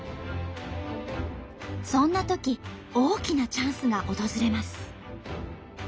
そんなとき大きなチャンスが訪れます。